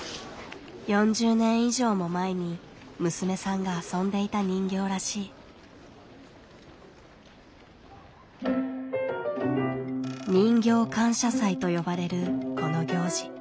４０年以上も前に娘さんが遊んでいた人形らしい。と呼ばれるこの行事。